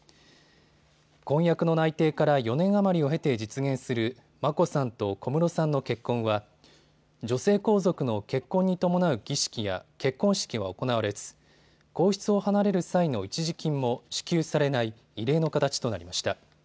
婚約の内定から４年余りを経て実現する眞子さんと小室さんの結婚は女性皇族の結婚に伴う儀式や結婚式は行われず皇室を離れる際の一時金も支給されない異例の形となりました。